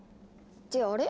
ってあれ？